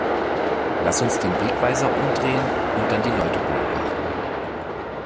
Lass uns den Wegweiser umdrehen und dann die Leute beobachten!